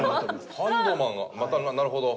ハンドマンがまたなるほど。